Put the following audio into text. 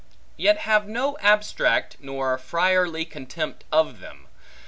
Yet have no abstract nor friarly contempt of them.